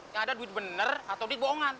yang ada duit benar atau duit bohongan